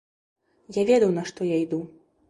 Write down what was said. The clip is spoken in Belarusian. Я ведаў, на што я іду.